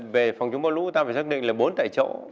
về phòng chống bão lũ ta phải xác định là bốn tại chỗ